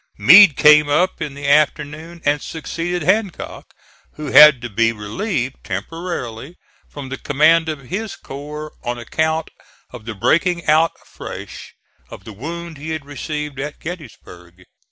Meade came up in the afternoon and succeeded Hancock, who had to be relieved, temporarily, from the command of his corps on account of the breaking out afresh of the wound he had received at Gettysburg.